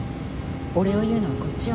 お礼を言うのはこっちよ。